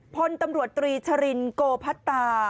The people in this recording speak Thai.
พลตำรวจตรีชรินโกพัตตา